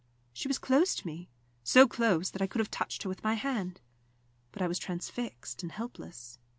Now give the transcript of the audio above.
She was close to me so close that I could have touched her with my hand. But I was transfixed and helpless.